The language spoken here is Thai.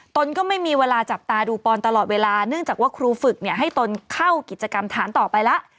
ตนก็ไม่มีเวลาจับตาดูปอนตลอดเวลาเนื่องจากว่าครูฝึกเนี่ยให้ตนเข้ากิจกรรมฐานต่อไปแล้ว